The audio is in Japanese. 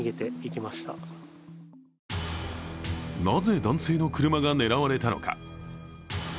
なぜ男性の車が狙われたのか。